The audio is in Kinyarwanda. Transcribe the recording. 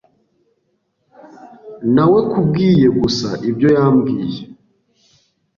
Nawekubwiye gusa ibyo yambwiye.